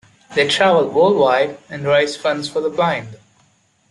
They traveled worldwide and raised funds for the blind.